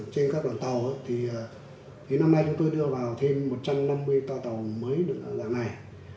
trên các đoàn tàu thì năm nay chúng tôi đưa vào thêm một trăm năm mươi tàu tàu mới được dạng này